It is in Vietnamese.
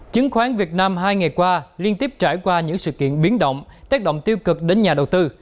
chứng khoán việt nam hai ngày qua liên tiếp trải qua những sự kiện biến động tác động tiêu cực đến nhà đầu tư